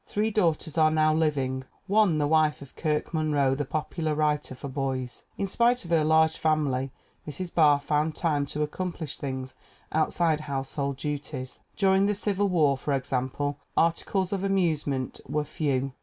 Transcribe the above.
Three daughters are now living, one the wife of Kirk Munro, the popular writer for boys. In ,spite of her large family Mrs. Barr found time to accomplish things outside household duties. Dur ing the Civil War, for example, articles of amusement were few.